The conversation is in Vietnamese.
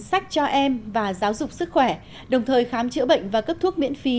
sách cho em và giáo dục sức khỏe đồng thời khám chữa bệnh và cấp thuốc miễn phí